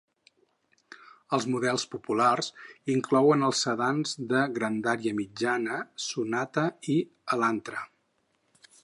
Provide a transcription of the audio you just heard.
Els models populars inclouen els sedans de grandària mitjana Sonata i Elantra.